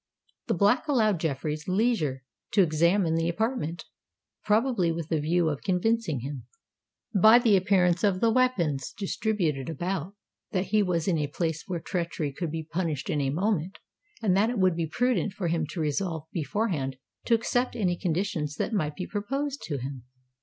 The Black allowed Jeffreys leisure to examine the apartment, probably with the view of convincing him, by the appearance of the weapons distributed about, that he was in a place where treachery could be punished in a moment, and that it would be prudent for him to resolve beforehand to accept any conditions that might be proposed to him.